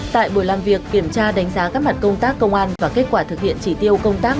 tại buổi làm việc kiểm tra đánh giá các mặt công tác công an và kết quả thực hiện chỉ tiêu công tác